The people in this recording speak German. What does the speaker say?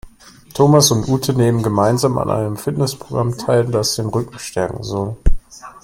Thomas und Ute nehmen gemeinsam an einem Fitnessprogramm teil, das den Rücken stärken soll.